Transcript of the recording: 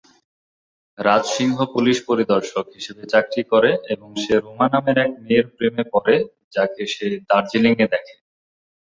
রাজ Singh police পরিদর্শক হিসেবে চাকরি করে এবং সে রোমা নামের এক মেয়ের প্রেমে পড়ে যাকে সে দার্জিলিং-এ দেখে।